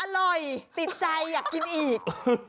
อร่อยติดใจอยากกินอีก